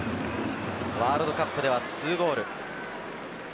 ワールドカップでは２ゴール。